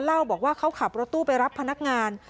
เล่าบอกว่าเขาขับรถตู้ไปรับพนักงาน